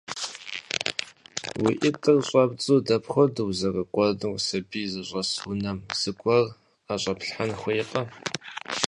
Уи ӏитӏыр щӏэбдзу дэпхуэдэу узэрыкӏуэнур сэбий зыщӏэс унэм? Зыгуэр ӏэщӏэплъхэн хуейкъэ?